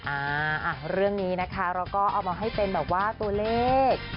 อ่าเรื่องนี้นะคะเราก็เอามาให้เป็นแบบว่าตัวเลข